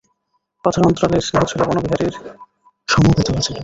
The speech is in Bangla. কথার অন্তরালে স্নেহ ছিল বনবিহারীর, সমবেদনা ছিল।